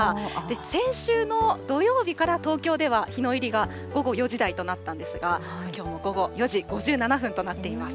先週の土曜日から東京では日の入りが午後４時台となったんですが、きょうも午後４時５７分となっています。